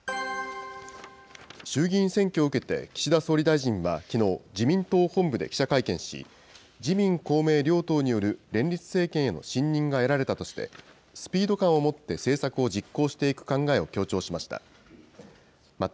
衆議院選挙を受けて岸田総理大臣はきのう、自民党本部で記者会見し、自民、公明両党による連立政権への信任が得られたとして、スピード感を持って政策を実行していく考えを強調しました。